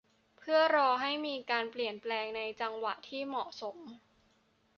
เพื่อรอให้มีการเปลี่ยนแปลงในจังหวะที่เหมาะสม